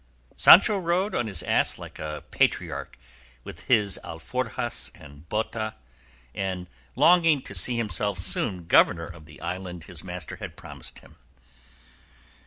Sancho rode on his ass like a patriarch, with his alforjas and bota, and longing to see himself soon governor of the island his master had promised him.